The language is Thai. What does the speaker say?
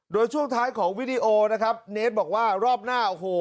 โดยช่วงท้ายของวิดีโอนะครับเนสบอกว่ารอบหน้าโอ้โห